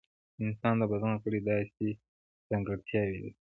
د انسان د بدن غړي داسې ځانګړتیا لري.